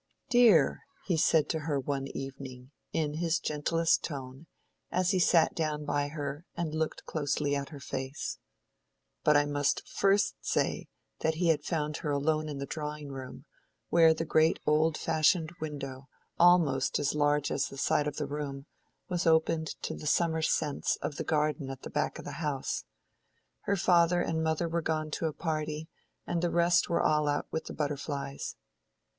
"Dear!" he said to her one evening, in his gentlest tone, as he sat down by her and looked closely at her face— But I must first say that he had found her alone in the drawing room, where the great old fashioned window, almost as large as the side of the room, was opened to the summer scents of the garden at the back of the house. Her father and mother were gone to a party, and the rest were all out with the butterflies.